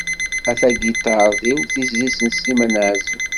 "A tagiṭart-iw", d tizlit n Sliman Ԑazem.